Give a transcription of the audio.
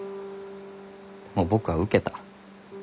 もう僕は受けた。